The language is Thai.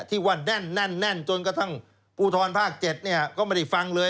ที่ว่าแน่นจนกระทั่งภูทรภาค๗เนี่ยก็ไม่ได้ฟังเลย